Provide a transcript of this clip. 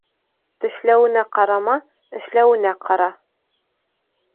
Тешләүенә ҡарама, эшләүенә ҡара.